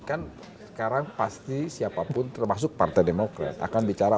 kan sekarang pasti siapapun termasuk partai demokrat akan bicara